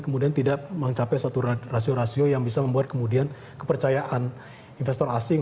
kemudian tidak mencapai satu rasio rasio yang bisa membuat kemudian kepercayaan investor asing